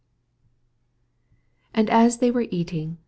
26 And as they were eating^.